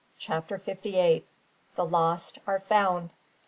CHAPTER FIFTY EIGHT. THE LOST ARE FOUND.